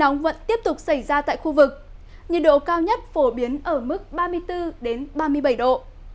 nhiệt độ cao nhất phổ biến ở mức ba mươi bốn ba mươi bảy độ